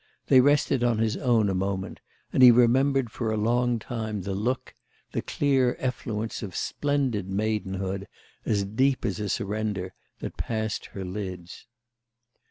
They rested on his own a moment, and he remembered for a long time the look, the clear effluence of splendid maidenhood, as deep as a surrender, that passed her lids.